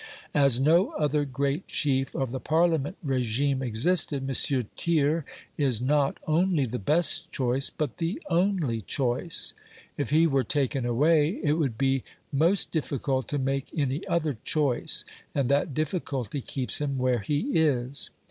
As no other great chief of the Parliament regime existed, M. Thiers is not only the best choice, but the only choice. If he were taken away, it would be most difficult to make any other choice, and that difficulty keeps him where he is.